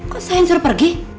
kok saya yang suruh pergi